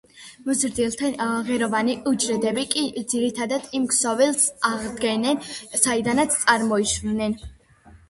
მოზრდილთა ღეროვანი უჯრედები კი ძირითადად იმ ქსოვილს აღადგენენ, საიდანაც წარმოიშვნენ.